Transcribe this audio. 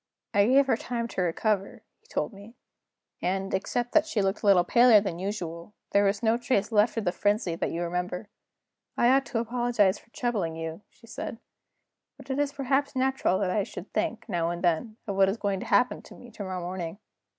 "I gave her time to recover," he told me; "and, except that she looked a little paler than usual, there was no trace left of the frenzy that you remember. 'I ought to apologize for troubling you,' she said; 'but it is perhaps natural that I should think, now and then, of what is to happen to me to morrow morning.